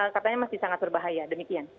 katanya masih sangat berbahaya demikian